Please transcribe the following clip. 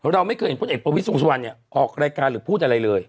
เราไม่เคยเห็นพลเอกประวิทยวงสุวรรณออกรายการหรือพูดอะไรเลย